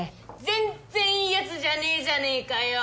全然いい奴じゃねえじゃねえかよ！